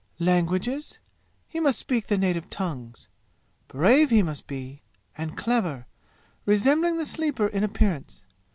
Languages he must speak the native tongues. Brave be must be and clever resembling the Sleeper in appearance.